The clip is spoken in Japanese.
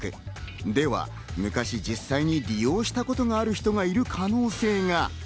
では昔、実際に利用したことがある人がいる可能性が。